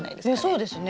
そうですね。